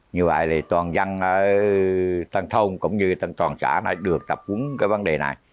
như vậy thì toàn dân toàn thông cũng như toàn trả đã được tập cúng cái vấn đề này